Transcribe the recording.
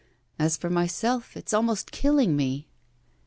As for myself, it's almost killing me.